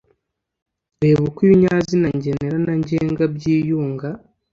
reba uko ibinyazina ngenera na ngenga byiyunga